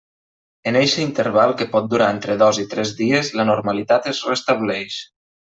En eixe interval que pot durar entre dos o tres dies la normalitat es restableix.